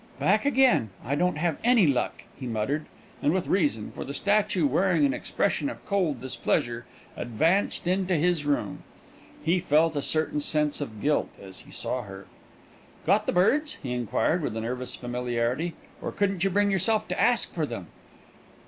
"Back again! I don't have any luck," he muttered; and with reason, for the statue, wearing an expression of cold displeasure, advanced into his room. He felt a certain sense of guilt as he saw her. "Got the birds?" he inquired, with a nervous familiarity, "or couldn't you bring yourself to ask for them?"